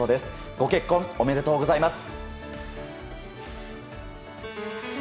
ご結婚おめでとうございます！